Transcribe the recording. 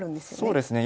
そうですね。